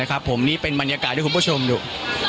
นะครับผมนี่เป็นบรรยากาศด้วยคุณผู้ชมดู